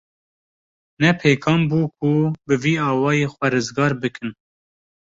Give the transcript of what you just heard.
Ne pêkan bû ku bi vî awayî xwe rizgar bikin.